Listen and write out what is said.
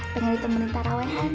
pengen ditemani para wehan